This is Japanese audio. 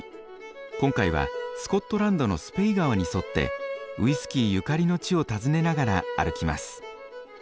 今回はスコットランドのスぺイ川に沿ってウイスキーゆかりの地を訪ねながら歩きます。